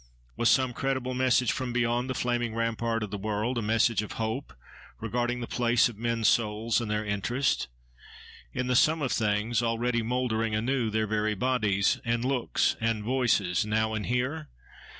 Was some credible message from beyond "the flaming rampart of the world"—a message of hope, regarding the place of men's souls and their interest in the sum of things—already moulding anew their very bodies, and looks, and voices, now and here?